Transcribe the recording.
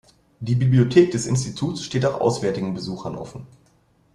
Die Bibliothek des Instituts steht auch auswärtigen Besuchern offen.